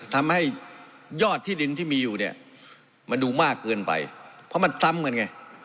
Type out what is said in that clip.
ทำให้ยอดที่ดินที่มีอยู่เนี่ยมันดูมากเกินไปเพราะมันซ้ำกันไง